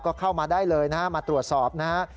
ก็เข้ามาได้เลยนะฮะมาตรวจสอบนะฮะ